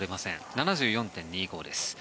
７４．２５です。